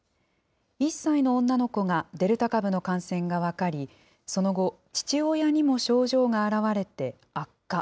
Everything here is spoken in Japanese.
１歳の女の子がデルタ株の感染が分かり、その後、父親にも症状が表れて悪化。